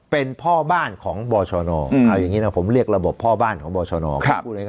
เป็นพ่อบ้านของบชนเอาอย่างนี้นะผมเรียกระบบพ่อบ้านของบชน